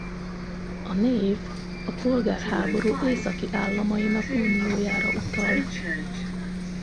A név a polgárháború északi államainak uniójára utal.